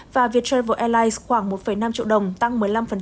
và viettravel airlines khoảng một năm triệu đồng tăng một mươi năm